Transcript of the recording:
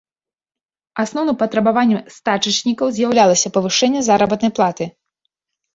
Асноўным патрабаваннем стачачнікаў з'яўлялася павышэнне заработнай платы.